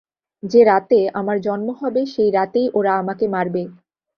যে-রাতে আমার জন্ম হবে সেই রাতেই ওরা আমাকে মারবে।